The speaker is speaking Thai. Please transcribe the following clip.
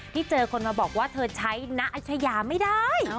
เจอคนมาบอกว่าเธอใช้ณอัชยาไม่ได้